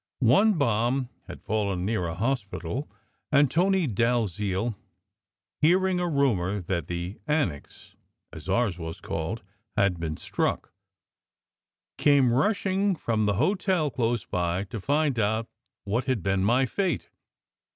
One bomb had fallen near a hospital, and Tony Dalziel, hearing a rumour that the "Annex" (as ours was called) had been struck, came rushing from the hotel close by to find out what had been my fate.